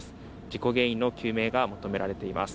事故原因の究明が求められています。